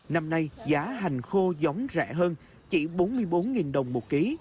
năm nay giá hành khô giống rẻ hơn chỉ bốn mươi bốn nghìn đồng một kg